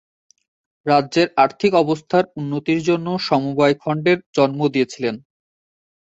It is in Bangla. রাজ্যের আর্থিক অবস্থার উন্নতির জন্য সমবায় খণ্ডের জন্ম দিয়েছিলেন।